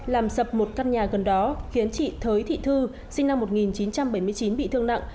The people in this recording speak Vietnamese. làm sập một căn nhà gần đó khiến chị thới thị thư sinh năm một nghìn chín trăm bảy mươi chín bị thương nặng